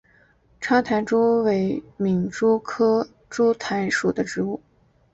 叉苔蛛为皿蛛科苔蛛属的动物。